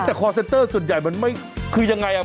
แต่คอร์เซนเตอร์ส่วนใหญ่มันไม่คือยังไงอ่ะ